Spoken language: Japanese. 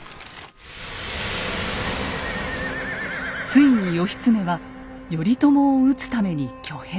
ついに義経は頼朝を討つために挙兵。